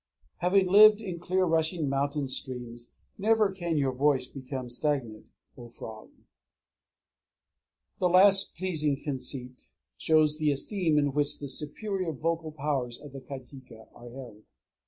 _ Having lived in clear rushing mountain streams, never can your voice become stagnant, O frog! The last pleasing conceit shows the esteem in which the superior vocal powers of the kajika are held.